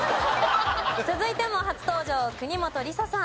続いても初登場国本梨紗さん。